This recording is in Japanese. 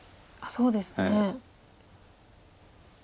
そうですね。